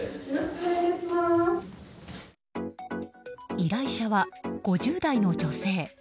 依頼者は５０代の女性。